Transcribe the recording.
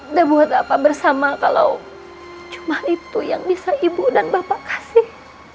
udah buat apa bersama kalau cuma itu yang bisa ibu dan bapak kasih